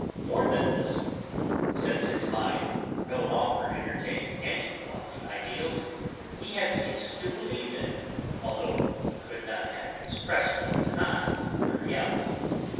More than this, since his mind no longer entertained any lofty ideals, he had ceased to believe in (although he could not have expressly denied) their reality.